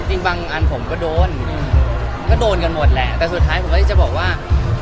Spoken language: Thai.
จริงบางอันผมก็โดนมันก็โดนกันหมดแหละแต่สุดท้ายผมก็จะบอกว่า